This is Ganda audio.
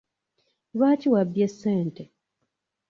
Lwaki wabbye sente?